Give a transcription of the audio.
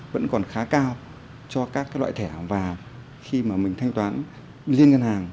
vẫn còn khá cao cho các loại thẻ hàng và khi mà mình thanh toán liên ngân hàng